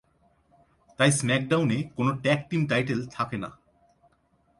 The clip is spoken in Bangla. তাই স্ম্যাকডাউনে কোন ট্যাগ টিম টাইটেল থাকেনা।